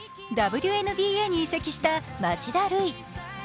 ＷＮＢＡに移籍した町田瑠唯。